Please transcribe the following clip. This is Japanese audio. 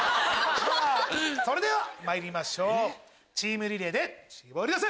それではまいりましょうチームリレーでシボリダセ！